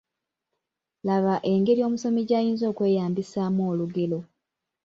Laga engeri omusomi gy’ayinza okweyambisaamu olugero.